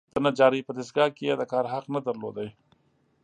د نجارۍ په دستګاه کې یې د کار حق نه درلود.